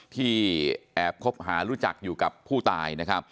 ที่แอบคบหารู้จักอยู่กับผู้ตาย